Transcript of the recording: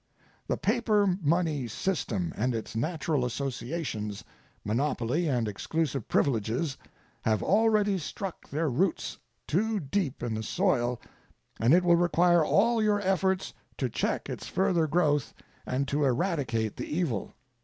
The paper money system and its natural associations monopoly and exclusive privileges have already struck their roots too deep in the soil, and it will require all your efforts to check its further growth and to eradicate the evil.